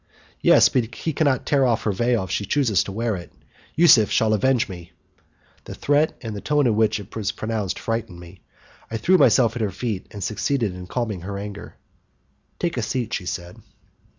"Yes, but he cannot tear off her veil, if she chooses to wear it. Yusuf shall avenge me." The threat, and the tone in which it was pronounced, frightened me. I threw myself at her feet, and succeeded in calming her anger. "Take a seat," she said.